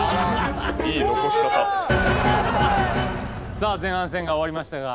さあ前半戦が終わりましたが。